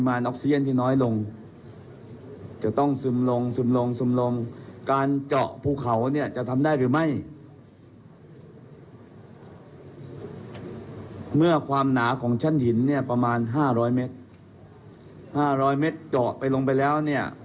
๕๐๐เมตรเจาะไปลงไปแล้ว